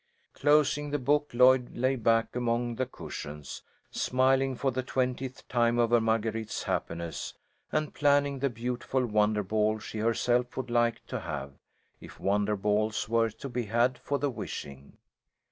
Closing the book Lloyd lay back among the cushions, smiling for the twentieth time over Marguerite's happiness, and planning the beautiful wonder ball she herself would like to have, if wonder balls were to be had for the wishing.